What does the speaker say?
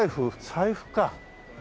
財布か。